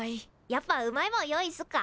やっぱうまいもん用意すっか？